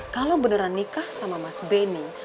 kalau beneran nikah sama mas benny